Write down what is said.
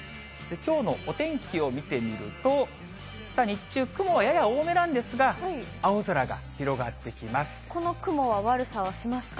きょうのお天気を見てみると、日中、雲はやや多めなんですが、この雲は悪さはしますか？